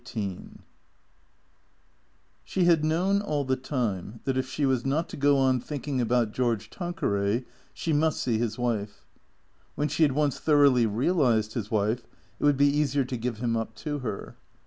XVIII SHE had known all the time that if she was not to go on thinking about George Tanqueray she must see his wife. When she had once thoroughly realized his wife it would be easier to give him up to her.